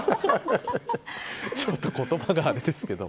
ちょっと言葉があれですけど。